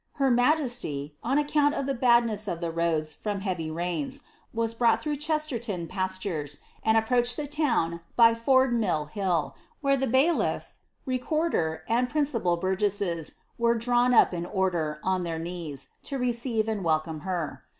Tier majcsljr, < account of the badnrsa of the roads from heavy ruins, was bruqi through Cheeterton pastures, aod approached the liiwn by Ford ■ Hill, where the bailiff, recorder, and principal burgesses, were drawn s) in order, on their knees, lo receive and welcome her.